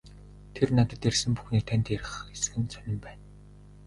Тэр надад ярьсан бүхнээ танд ярих эсэх нь сонин байна.